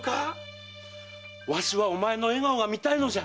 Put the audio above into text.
わしはおまえの笑顔が見たいのじゃ。